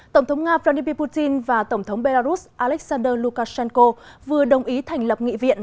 tổng thống nga vladimir putin và tổng thống belarus alexander lukashenko vừa đồng ý thành lập nghị viện